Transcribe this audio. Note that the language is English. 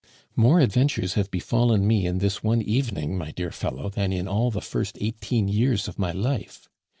"More adventures have befallen me in this one evening, my dear fellow, than in all the first eighteen years of my life."